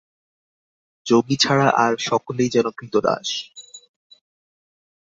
যোগী ছাড়া আর সকলেই যেন ক্রীতদাস।